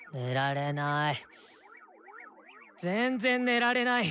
寝られない。